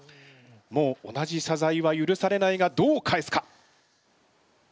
もう同じしゃざいはゆるされないがどう返すか？